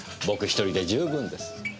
僕１人で十分です。